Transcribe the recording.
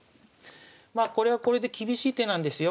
まあこれはこれで厳しい手なんですよ。